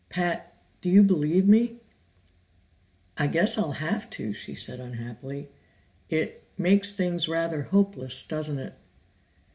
"Pat, do you believe me?" "I guess I'll have to," she said unhappily. "It makes things rather hopeless, doesn't it?"